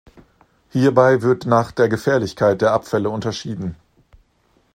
Hierbei wird nach der Gefährlichkeit der Abfälle unterschieden.